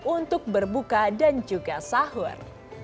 untuk berbuka dan juga sahur